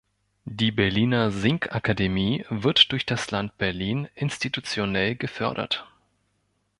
Die Berliner Singakademie wird durch das Land Berlin institutionell gefördert.